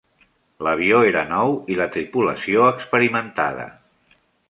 L'avió era nou i la tripulació, experimentada.